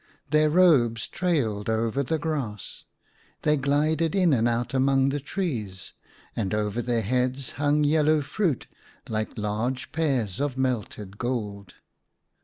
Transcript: Their robes trailed over the grass. They glided in and out among the trees, and over their heads hung yellow fruit like large pears of melted gold.